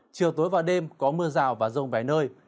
chiều tối và đêm có mưa rào và rông vài nơi